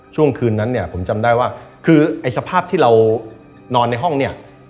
ช่วงคืนนั้นเนี่ยผมจำได้ว่าคือไอ้สภาพที่เรานอนในห้องเนี่ย